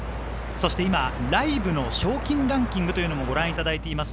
今、ライブの賞金ランキングをご覧いただいています。